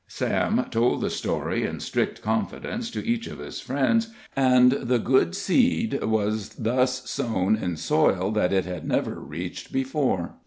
Sam told the story, in strict confidence, to each of his friends, and the good seed was thus sown in soil that it had never reached before.